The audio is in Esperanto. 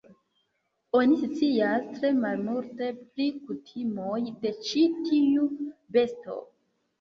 Oni scias tre malmulte pri kutimoj de ĉi tiu besto.